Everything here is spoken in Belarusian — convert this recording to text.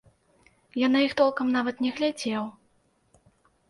Я на іх толкам нават не глядзеў.